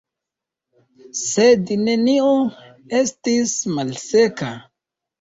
Sed neniu estis malseka.